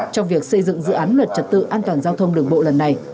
trong việc xây dựng dự án luật trật tự an toàn giao thông đường bộ lần này